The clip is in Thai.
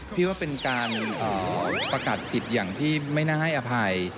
พี่ว่าเป็นการประกาศผิดอย่างที่ไม่น่าให้อภัย